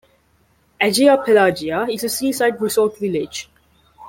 Agia Pelagia is a seaside resort village.